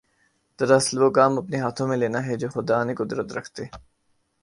دراصل وہ کام اپنے ہاتھ میں لینا ہے جوخدا نے قدرت رکھتے